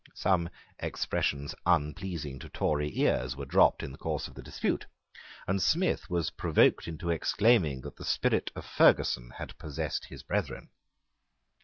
Some expressions unpleasing to Tory ears were dropped in the course of the dispute; and Smith was provoked into exclaiming that the spirit of Ferguson had possessed his brethren.